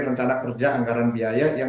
rencana kerja anggaran biaya yang